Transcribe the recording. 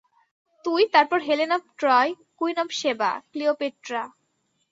তুই, তারপর Helen of Troy, Queen of Sheba, Cleopatra.